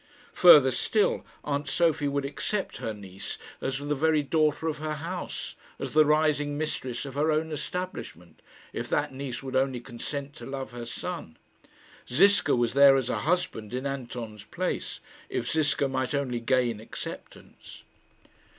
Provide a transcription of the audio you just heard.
Further still, aunt Sophie would accept her niece as the very daughter of her house, as the rising mistress of her own establishment, if that niece would only consent to love her son. Ziska was there as a husband in Anton's place, if Ziska might only gain acceptance.